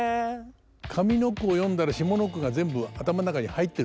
上の句を読んだら下の句が全部頭の中に入ってるってこと？